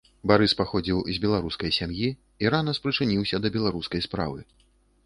Барыс паходзіў з беларускай сям'і і рана спрычыніўся да беларускай справы.